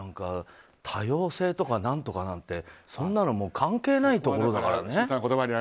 多様性とか何とかなんてそんなの関係ない国だからね。